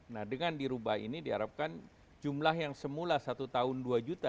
nah dengan dirubah ini diharapkan jumlah yang semula satu tahun dua juta